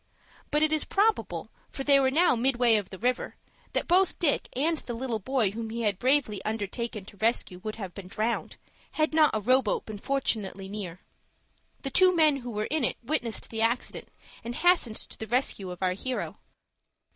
But it is probable, for they were now midway of the river, that both Dick and the little boy whom he had bravely undertaken to rescue would have been drowned, had not a row boat been fortunately near. The two men who were in it witnessed the accident, and hastened to the rescue of our hero.